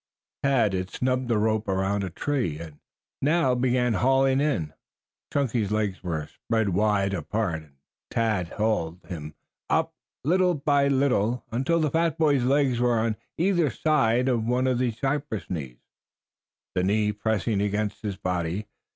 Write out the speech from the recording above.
Tad had snubbed the rope around a tree and now began hauling in. Chunky's legs were spread wide apart, and Tad hauled him up little by little until the fat boy's legs were on either side of one of the cypress knees, the knee pressing against his body.